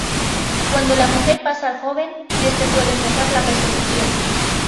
Cuándo la mujer pasa al joven, este puede empezar la persecución.